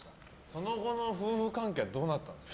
その後の夫婦関係はどうなったんですか？